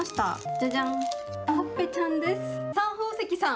じゃじゃん！